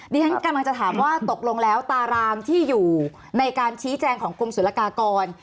ดิฉันกำลังจะถามว่าตกลงแล้วตารางที่อยู่ในการชี้แจงของกรมศุลกากร